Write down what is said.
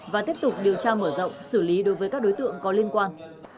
và tiếp tục điều tra mở rộng xử lý đối với các đối tượng có liên quan